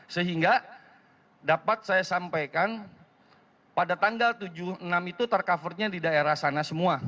sehingga dapat saya sampaikan pada tanggal tujuh enam itu tercovernya di daerah sana semua